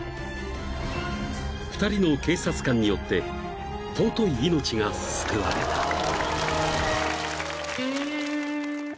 ［２人の警察官によって貴い命が救われた］